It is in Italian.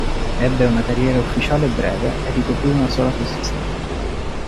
Ebbe una carriera ufficiale breve, e ricoprì una sola posizione.